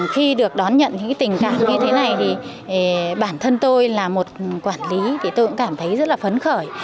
khi được đón nhận những tình trạng như thế này thì bản thân tôi là một quản lý thì tôi cũng cảm thấy rất là phấn khởi